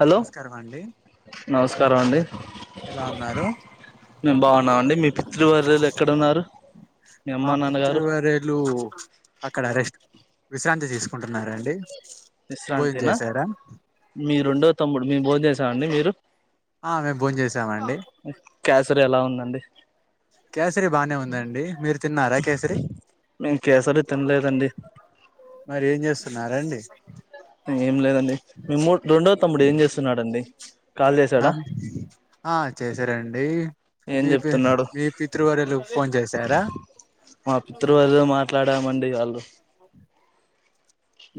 Hello నమస్కారం అండి నమస్కారం అండి ఎలా ఉన్నారు మేము బాగున్నామండి మీ పితృ వర్యులు ఎక్కడ ఉన్నారు మా పితృవర్యులు అక్కడ రెస్టా విశ్రాంతి తీసుకుంటున్నారండి భోజనం విశ్రాంతినా చేశారా మీ రెండో తమ్ముడు మేము భోంచేశామండి మీరు ఆ మేము భోజనం చేసామండి కేసరి ఎలా ఉందండి కేసరి బానే ఉందండి మీరు తిన్నారా కేసరి మేము కేసరి తినలేదండి మరి ఏం చేస్తున్నారండి ఏం లేదండి మీము రెండో తమ్ముడు ఏం చేస్తున్నాడండి కాల్ చేసాడా నం ఆ చేశారండి ఏం మీ పి చెప్తున్నాడు మీ పితృవార్యులు ఫోన్ చేశారా దమండి వాళ్ళు [inaudible]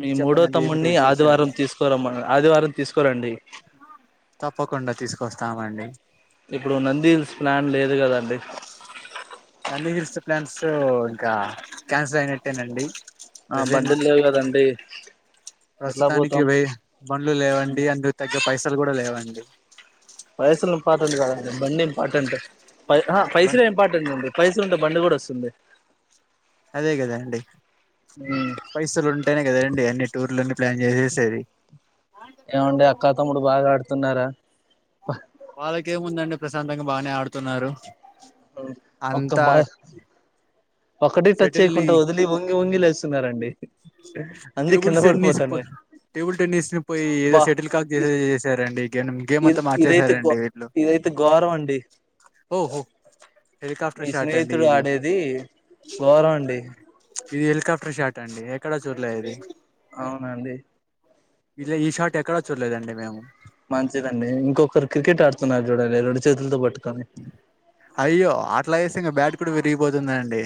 ఈ మీ మూడో చెప్పండి ఏమిటి తమ్ముడిని విశేషాలు ఆదివారం తీసుకోరమ్మ ఆదివారం తీసుకోరండి తప్పకుండా తీసుకొస్తామండి ఇప్పుడు నందిహిల్స్ ప్లాన్ లేదు కదా నంది హిల్స్ ప్లాన్స్ ఇంకా క్యాన్సల్ అయినట్టేనండి ఆ ప్రజెంట్ బండులు లేవు కదండి ఎట్లా ప్రస్తుతానికి పోతాం ఇవి బండ్లు లేవండి అందుకు తగ్గ పైసలు కూడా లేవండి పైసలు ఇంపార్టెంట్ కాదండి బండి ఇంపార్టెంట్ పైసలు ఉంటే బండి కూడ వస్తుంది అదే కదా అండి ఉమ్ పైసలు ఉం ఉంటేనే కదండి అన్ని టూర్లన్ని ప్లాన్ చేసేసేది ఏమండి అక్కా తమ్ముడు బాగా ఆడుతున్నారా వాళ్ళకేముందండి ప్రశాంతంగా బానే ఆడుతున్నారు ఒక్క అంత బా ఒకటి టచ్ సెటిల్ ని చేయకుంటా వదిలి వంగి వంగి లే స్తున్నారండి టేబుల్ టెన్నిస్ పో టేబుల్ టెన్నిస్ ని పోయి ఏదో బా సెటిల్ కాక్ చే ఇ చేసారు గేనం గేమ్ ఇది అంతా ఇదైతే గో మార్చేసారండి వీళ్ళు ఇదైతే ఘోరం అండి ఓహో హెలికాప్టర్ మీ షాట్ అండి స్నేహితుడు ఇది ఆడేది ఘోరం అండి ఇది హెలికాప్టర్ షాట్ అండి ఎక్కడ చూర్లే ఇది అవునండి ఇలా ఈ షార్ట్ ఎక్కడ చూడలేదండి మేము మంచిదండి ఇంకొకరు క్రికెట్ ఆడుతున్నారు చూడండి రెండు చేతులతో పట్టు అయ్యో అట్లా చేస్తే ఇంగ బ్యాట్ కూడా విరిగిపోతుందండి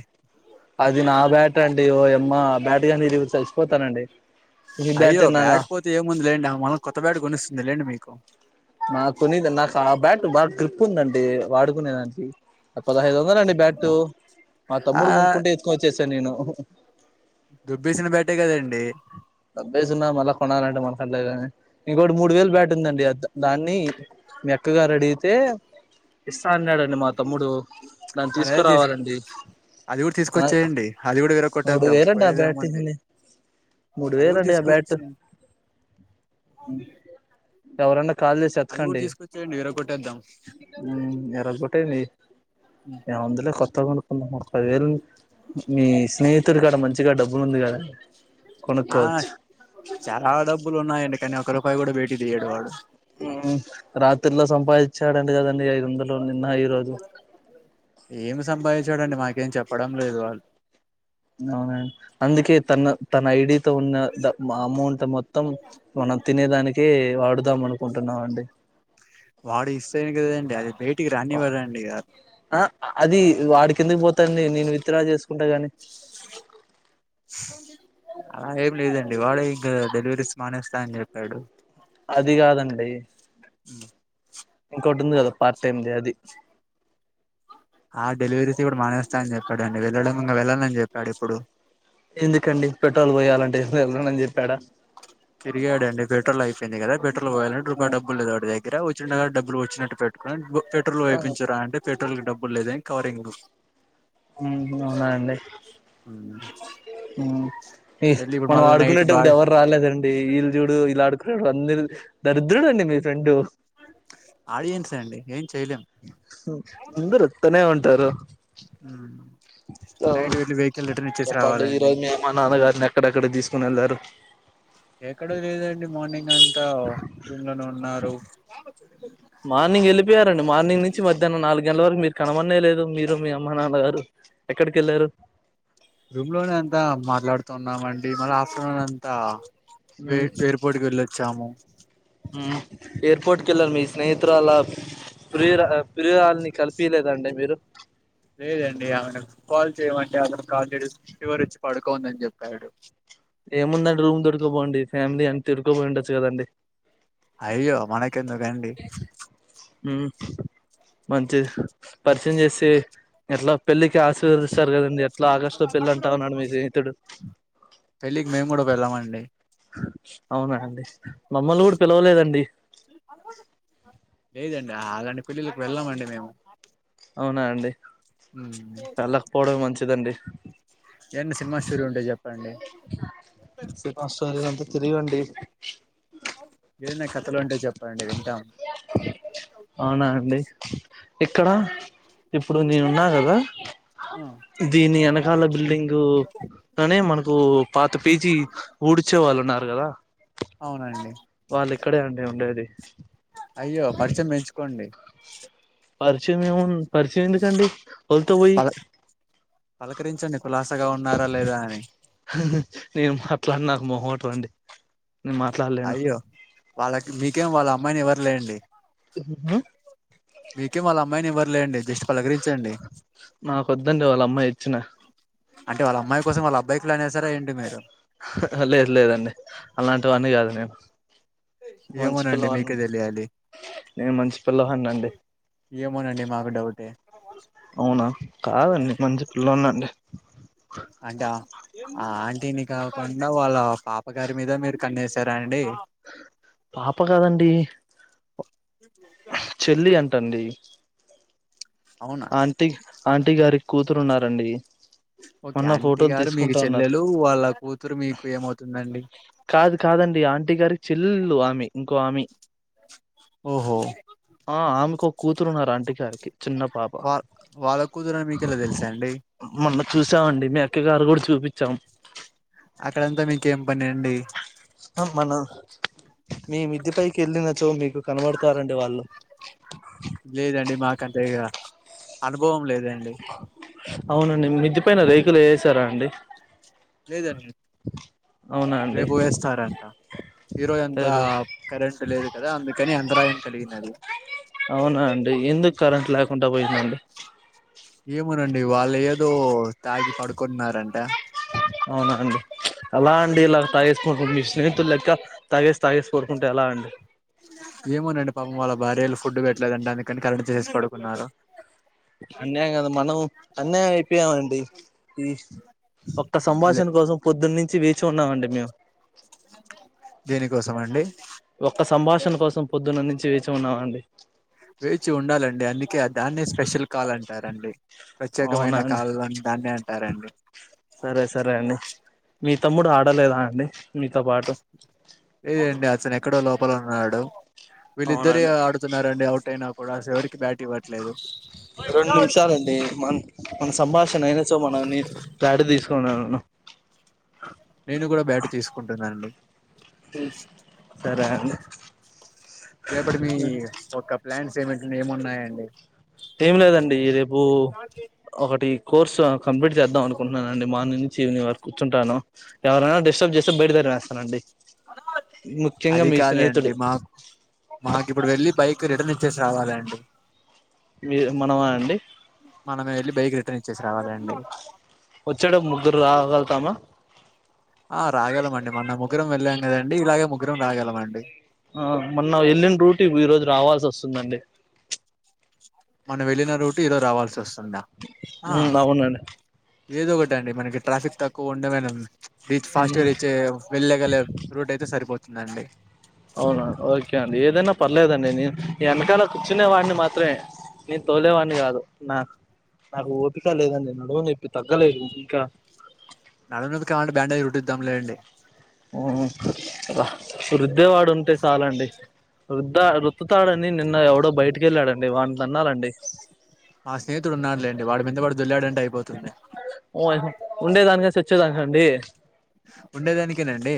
అది నా బ్యాట్ అండి ఓ యమ్మా బ్యాట్ గాని ఇరిగితే చచ్చిపోతానండి ఈ అయ్యో నాదా బ్యాట్ పోతే ఏముంది లేండి ఆమా కొత్త బ్యాట్ కొనిస్తుంది లేండి మీకు నా కొనీది నాకు ఆ బ్యాట్ బాగా గ్రిప్ ఉందండి వాడుకునేదానికి పదహైదు వందల అండి బ్యాట్ మా ఆ తమ్ముడు కొనుకుంటే ఎతుకొని వచ్చేశా నేను దొబ్బేసిన బ్యాటె కదండి దబ్బేసున్నా మళ్ళా కొనాలంటే మళ్ [unintelligible] ఇంకోటి మూడు వేలు బ్యాటుందండి దాన్ని మీ అక్కగారు అడిగితే ఇస్తా అన్నాడండి మా తమ్ముడు దాని మరి అదే తీసు తీసుకురావాలండి అది కూడ ఆ తీసుకొచ్చేయండి అలిగూడ మూడు విరకొట్టేద్దాం వేలండి ఆ బ్యాట్ పోయేదేముంది మూడు అది కూడా వెళ్ళండి ఆ బ్యాట్ తీసుకొచ్చి కాల్ చేసి అది కూడా ఎతకండి తీసుకొచ్చేయండి విరగొట్టేద్దాం ఇరగొట్టండి ఏముందిలే కొత్తది కొనుకుందాం పదివేలు మీ స్నేహితుడి కాడ మంచిగా డబ్బులు ఉంది కదా ఆ కొనుక్కోవచ్చు చాలా డబ్బులు ఉన్నాయండి కానీ ఒక రూపాయి కూడా బయటకి తీయడు వాడు రాత్రిలో సంపాదించాడంట కదండి ఐదు వందలు నిన్న ఈ రోజు చూడండి మాకేం చెప్పడం లేదు వాళ్ అవునా అందుకే తన తన ఐడి తో ఉన్న ద అమౌంట్ మొత్ మొత్తం మనం తినేదానికి వాడుదాం అనుకుంటున్నాండి వాడు ఇస్తేనే కదండి అది బయటికి రానివడండి గా ఆ అది వాడికి ఎందుకు పోతాంది నేను విత్తరా చేసుకుంటా గాని ఆ ఏం లేదండి వాళ్ళే ఇంకా డెలివరీస్ మానేస్తా అని చెప్పాడు అది కాదండి మ్మ్ ఇంకోటింది కదా పార్ట్ టైమ్ది అది ఆ డెలివరీస్ కూడా మానేస్తా అని చెప్పాడు అండి వెళ్ళడం ఇంకా వెళ్ళాలని చెప్పాడు ఇప్పుడు ఎందుకండి పెట్రోల్ పోయాలంటే ఏ వెళ్దనని చెప్పాడా తిగాడండి పెట్రోల్ అయిపోయింది కదా పెట్రోల్ పోయాలంటే రూపాయి డబ్బులు లేదు వాడి దగ్గర వచ్చినా కడా డబులు వచ్చినటు పెట్ పెట్రోల్ వేపించుర అంటే పెట్రోల్ కి డబ్బులు లేదని కవరింగ్ అవునాండి ఈ వెళ్ళి ఇప్పుడు మనం మళ్ళీ నైట్ బా ఆడుకునేటప్పుడు ఎవరు రాలేదండి వీళ్ చూడు వీలా అడు వంద దరిద్రుడు అండి మీ ఫ్రెండు ఆడియన్స్ అండి ఏం చేయలేం అందరు అట్టనే ఉంటారు నైట్ వెళ్ళి వెహికల్ రిటర్న్ ఇచ్చేసి చెప్పండి రావాలండి ఈరోజు మీ మా నాన్నగారిని ఎక్కడెక్కడ తీసుకుని వెళ్లారు ఎక్కడో లేదండి మార్నింగ్ అంతా రూమ్ లోనే ఉన్నారు మార్నింగ్ వెళ్ళిపోయారండి మార్నింగ్ నుంచి మధ్యాహ్నం నాలుగు గంట వరకు మీరు కనమనే లేదు మీరు మీ అమ్మ నాన్నగారు ఎక్కడికి వెళ్ళారు రూమ్ లోనే అంతా మాట్లాడుతున్నాం అండి మళ్ళీ ఆఫ్టర్నూన్ అంతా వ ఎయిర్పోర్ట్కి వెళ్ళి వచ్చామ ఎయిర్పోర్ట్కి వెళ్ళార్ మీ స్నేహిత్రరాలా ప్రయురా ప్రియురాల్ని కలిపియాలేదండి మీరు లేదండి ఆమెన కాల్ చేయమంటే అతను కాల్ చే ఫివర్ వచ్చి పడుకోందని చెప్పి ప్యడు ఏముందండి రూమ్ దొడికపోండి ఫ్యామిలీ అని తిరికపోయి ఉండొచ్చు కదండి అయ్యో మనకి ఎందుకు అండి ఉమ్, మంచి పరిచయం చేసి ఎట్లా పెళ్ళికి ఆశీర్వదిస్తారు కదండి ఇట్లా ఆగస్టు లో పెళ్ళ అంటా ఉన్నాడు మీ స్నేహితుడు పెళ్ళికి మేము కూడా వెళ్ళామండి అవునా అండి మామలిని కూడా పిలవలేదండి లేదండి అలాంటి పెళ్ళిలకు వెళ్ళామండి మేము అవునా అండి వెళ్ళకపోవడమే మంచిదండి ఏదన్న సినిమా స్టోరీ ఉంటే చెప్పండి సినిమా స్టోరీ అంతా తిరిగి వండి ఏదైనా కథలు ఉంటే చెప్పంది వింటాం అవునా అండి ఇక్కడ ఇప్పుడు నేను ఉన్నా కదా ఆ దీని వెనకాల బిల్డింగ్ మ్మ్ తనే మనకు పాత పేజీ ఊడ్చే వాళ్ళు ఉన్నారు కదా అవునండి వాళ్ళు ఇక్కడే అండి ఉండేది అయ్యో పరిచయం పెంచుకోండి పరిచయం ఏం ఉం పరిచయం ఎందుకండి వాళ్ళతో పోయి పల పలకరించండి కులాసాగా ఉన్నారా లేదా అని నేను మాట్లాడి నాకు మొహమాటం అండి నేను మాట్లాడలేను అయ్యో వాళ్ళకి మికేం వాళ్ళ అమ్మాయిని ఇవరు లేండి మీకే వాళ్ళ అమ్మాయిని ఇవ్వరులేండి జస్ట్ పలకరించండి నాకు వద్దండి వాళ్ళ అమ్మాయి ఇచ్చిన అంటే వాళ్ళ అమ్మాయి కోసం వాళ్ళ అబ్బాయికి లైన్ వేసారా ఏంటి మీరు లేదు లేదండి అలాంటివన్నీ గాదు నేను. మంచి ఏమోనండి పిల్లవాడిని మీకే తెలియాలి. నేను మంచి పిల్లవాడిని అండి ఏమ్ ఏమోనండి మాకు డౌటే అవునా కాదండి మంచి పిల్లోన్నండి అంటా ఆ ఆంట్ టీన్ని కాకుండా వాళ్ళా పాప గారి మీద మీరు కన్నేసారా అండి. పాప కాదండి ద తండ్రి అవునా ఆంటీ ఆంటీ గారిక్ కూతురున్నారండి. ఓకే ఆంటీ గారు మీకు ఉన్నారు చెల్లెలూ వాళ్ళ కూతురు మీకు ఏమవుతుందండి. కాదు కాదండి టీ గారి చెల్లెలు ఆమె ఇంకో ఆమె ఓహో ఆ ఆమెకొక్. కూతురున్నారు ఆంటీ గారికి చిన్నప్ వాళ్ వాళ్ళ కూతురని మీకెలా తెలుసండి. మొన్న చూసామండి మీ అక్కయ్య గారు గూడా చూపిచ్చాం. అక్కడంతా మీకేం పని అండి ఆ మనా మీమిద్ది పైకి ఎళ్ళిన చో మీకు కనబడుతారండి వాళ్ళు. లేదండి మాకంతే ఇగా అనుభవం లేదండి. అవునండి మిద్ది పైనా రేకులు ఏసారా అండి. లేదండి అవునా అండి రేపు వేస్తారంటా. ఈ రోజంతా అదే కరెంట్ లేదు కదా అందుకని అంతరాయం కలిగినది. అవునా అండి ఎందుక్ కరెంట్ లేకుండా పోయిందండి. ఏమెనండి వాళ్ళు ఏదో తాగి పడుకున్నారంటా. అవునా అండి ప్చ్ అలా అండి ఎలా తాగేసుకుంట మీ స్నేహితులెక్కా తాగేస్. తాగేసి పడుకుంటే ఎలా అండి. ఏమోనండి పాపం వాళ్ళ భార్యలు ఫుడ్ పెట్లేదంట అందుకని కరెంట్ తీసేసి పడుకున్నారు. అన్యాయం గదా మనము అన్యా పీయమ్ అండి ఈ ఒక్క లే సంభాషణ కోసం పొద్దున్నించ్. చి వేచి ఉన్నామండి మేము. దేనికోసం అండి ఒక్క సంభాషణ కోసం పొద్దున్న నుంచి వేచి ఉన్నామండి. వేచి ఉండాలండి అందుకే దాన్నే స్పెషల్ కాల్ అంటారండి. ప్రత్యేకమైన అవునా అండి కాళ్ళ్ అని దాన్నే అంటారండి సరే సరే అండి మీ తమ్ముడు ఆడలే లేదండి అతను ఎక్కడో లోపల ఉన్నాడు. వీళ్ళిద్దరే అవునండి ఆడుతున్నారండి అవుట్ అయినా కూడా అసలు ఎవరికి బ్యాట్ ఇవ్వట్లేదు. అండి మన్ మన సంభాషణ అయినచో మనల్నీ బ్యాట్ తీసుకొన్ అవును. నేను గూడా బ్యాటు తీసుకుంటున్నానండి సరే అండి రేపటి మీ ఒక ప్లాన్స్ ఏమంట్ని ఏమున్నాయండి. ఏమి లేదండీ రేపూ ఒకటి కోర్స్ ఆ కంప్లీట్ చేద్దాం అనుకుంటున్నాను అండి మార్నింగ్ నుంచి ఈవనింగ్ వరకు కూర్చుంటాను. ఎవరైనా డిస్టర్బ్ చేస్తే బయటికి తరిమేస్తానండి. ముఖ్యంగా అది మీ కాదండి. స్నేహితుడు మాకు మాకు ఇప్పుడు వెళ్ళి బైక్ రిటర్న్ చ్చే శ్రావలండి. మీర్ మనవా అండి. మనమ్ ఏళ్ళి బైక్ రిటర్న్ ఇచ్చేస్ వచ్చాడం ముగ్గురు రాగల్తామా ఆ రాగలంమండి మొన్న ముగ్గురం వెళ్ళాం గదండి. ఇలాగే ముగ్గురం రాగలంమండి. ఆ మొన్న ఏళ్ళిన్ రూట్ ఈ రోజు రావాల్సి వస్తుందండి. మనం ఏళ్ళిన రూటు ఈ రోజ్ రావాల్సి వస్ ఉమ్ బావుందండి. ఏదో ఒకట్ అండి. మనకి ట్రాఫిక్ తక్కువ ఉండమేనన్ రీచ్ ఫాస్ట్ గా రీచ్ అయ్యెవ్ రూట్ అయితే సరిపోతుందండి. అవునా ఈ ఎనకల కూర్చునే వాడిని మాత్రమే నేను తోలేవాడని కాదు నాక్ నాకు ఓపిక లేదండి. నడుము నప్పి తగ్గలేదు ఇంకా నడుం నప్పకి కావంటే బ్యాండేజ్ రుట్టిద్దాం లేండి. ఉ అబ్బా రుద్దేవాడు ఉంటే సాలండి. రుద్దా రుత్తుతాడని నిన్న ఎవడో బయటకెళ్ళాడండి వాడన్ తన్నాలండి. మా స్నేహితుడు ఉన్నాడులేండి వాడి మీద వాడు దొల్లాడంటే అయిపోతుందే ఓయహు ఉండేదానికే సచ్చేదానికండి. ఉండేదానికేనండి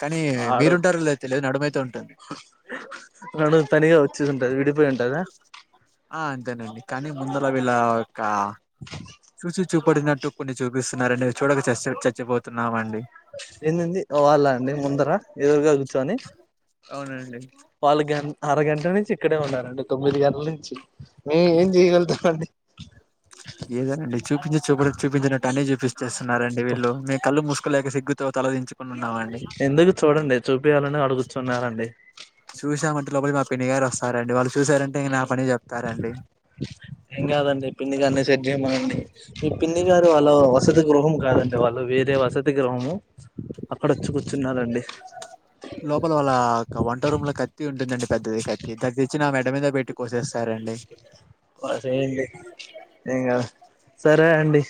కానీ మీరుంటారో లేదో తెలియదు నడుమైతే ఉంటుంద్ నను తనిగా వచ్చేదుంటది. ఆ అంతేనండి. కానీ ముందులా వీళ్ లవక్కా చూసి చూ పోడినట్టు కొన్ని చూపిస్తున్నారండి. అవి చూడక చసే చచ్చేపోతున్నామండి. ఇదేంది. వాళ్ళా అండి ముందరా ఎదురుగా కూర్చొని అవునండి వాళ్ళు గ్యాన్ అర గంట నుంచి ఇక్కడే ఉన్నారండి. తొమ్మిది గంటల నుంచి మీ ఏం జే యగలుతాం అండి. ఏదేనండి. చూపించి చూపుడు చూపించనట్టు అన్ని జూపిచ్చేస్తున్నారండి. వీళ్ళు మేము కళ్ళు మూసుకోలేక సిగ్ గ్గుతో తలదించు ఎందుకు చూడంది. చూపియ్యాలనే ఆడగుచ్చున్నారండి. తామంటే లోపల మా పిన్ని గారు వస్సన్నారండి వాళ్ళు చూసారంటే ఇగా నా పనే జేప్తారండి. గేమండి. మీ పిన్ని గారు వాళ్ళ వసతి గృహం కాదండి. వాళ్ళు వేరే వసతి గృహము అక్కడొచ్చి కూర్చున్నారండి. లోపల వళ్ళా ఒక వంట రూమ్ లో కత్తి ఉంటదండి. పెద్దది కత్తి దగ్ దేచ్చినామేన్ ఏ మీద బెట్టి కోసేస్తారండి. వసైంది. ఇగా సరే అండి.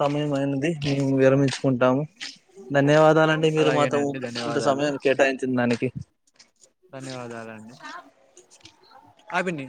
సమయం మైనిది మేము విరమించుకుంటాము. ధన్యవాదాలండి మీరు మాతో అలాగేనండి ఇంత ధన్యవాదాలు సమయం కేటాయించిదాని అభిని